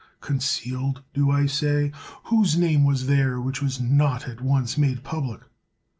Concealed, do I say? Whose name was there which was not at once made public?